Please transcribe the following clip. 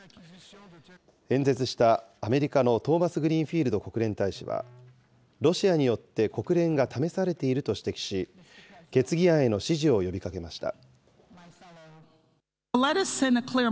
演説したアメリカのトーマスグリーンフィールド国連大使は、ロシアによって国連が試されていると指摘し、決議案への支持を呼びかけました。